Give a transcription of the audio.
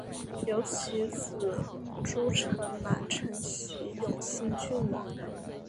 由其子朱诚澜承袭永兴郡王。